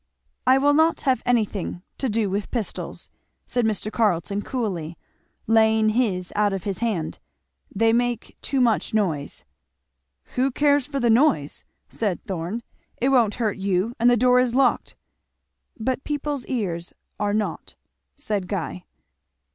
"I will not have anything to do with pistols," said Mr. Carleton coolly, laying his out of his hand; "they make too much noise." "Who cares for the noise?" said Thorn. "It won't hurt you; and the door is locked." "But people's ears are not," said Guy.